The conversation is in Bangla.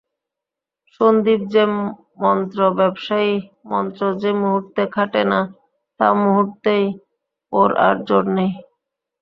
সন্দীপ যে মন্ত্রব্যবসায়ী, মন্ত্র যে-মুহূর্তে খাটে না সে-মুহূর্তেই ওর আর জোর নেই।